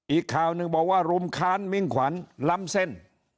อีกข่าวหนึ่งบอกว่ารุมค้านมิ่งขวัญล้ำเส้น